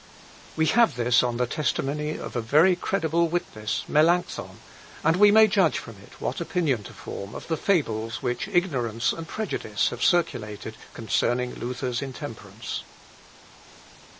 We have this on the testimony of a very credible witness, Melancthon, and we may judge from it what opinion to form of the fables which ignorance and prejudice have circulated concerning Luther's intemperance.